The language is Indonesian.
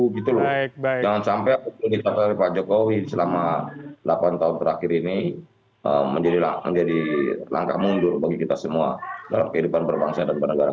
jangan sampai apa yang dikatakan oleh pak jokowi selama delapan tahun terakhir ini menjadi langkah mundur bagi kita semua dalam kehidupan berbangsa dan bernegara